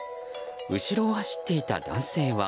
後ろを走っていた男性は。